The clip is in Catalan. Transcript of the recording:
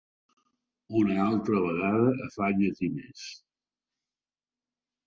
Una altra vegada afanya-t'hi més.